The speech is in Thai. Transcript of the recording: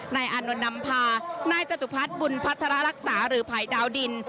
อานนท์นำพานายจตุพัฒน์บุญพัฒระรักษาหรือภัยดาวดิน